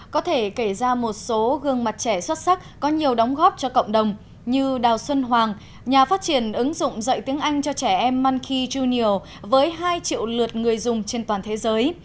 có thể kể ra một số gương mặt trẻ xuất sắc có nhiều đóng góp cho cộng đồng như đào xuân hoàng nhà phát triển ứng dụng dạy tiếng anh cho trẻ em măn khi wunio với hai triệu lượt người dùng trên toàn thế giới